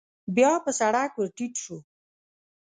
بيا په سړک ور ټيټ شو.